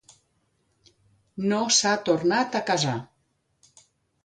No s'ha tornat a casar.